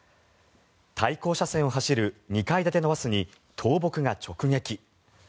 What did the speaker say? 対向車線を走る２階建てのバスに倒木が直撃。